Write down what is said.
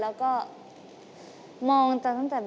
แล้วก็มองตั้งแต่แบบเห็นทีล่ะมองด้วยแววตาด้วยค่ะ